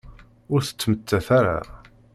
Ur tettmettat ara.